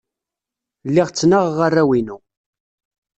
Lliɣ ttnaɣeɣ arraw-inu.